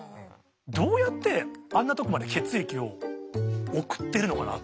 どうやってあんなとこまで血液を送ってるのかなって。